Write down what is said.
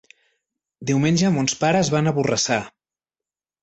Diumenge mons pares van a Borrassà.